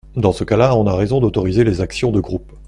Dans ce cas-là, on a raison d’autoriser les actions de groupe.